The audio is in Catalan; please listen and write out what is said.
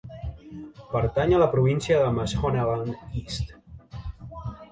Pertany a la província de Mashonaland East.